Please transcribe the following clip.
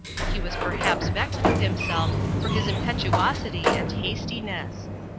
He was perhaps vexed with himself for his impetuosity and hastiness.